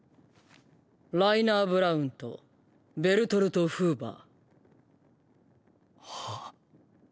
ライナー・ブラウンとベルトルト・フーバー。は？